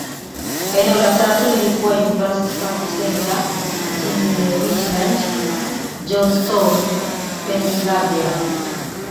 Eneo la tatu lililokuwa University Park Centre, mjini Richland, Johnstown, Pennyslvania.